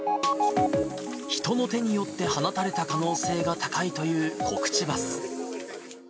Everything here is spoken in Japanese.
人の手によって放たれた可能性が高いというコクチバス。